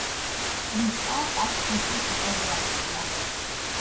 ტბის წყალს აქვს სუსტი ტუტე რეაქცია.